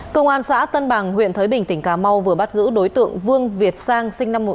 công an xã tân bằng huyện thới bình tỉnh cà mau vừa bắt giữ đối tượng vương việt sang